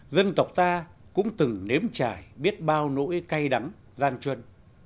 dân tộc ta cũng từng nếm trải biết bao nỗi cay đắng gian chuân